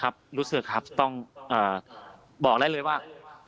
รู้สึกครับต้องบอกได้เลยว่า